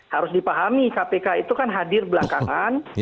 harus dipahami kpk itu kan hadir belakangan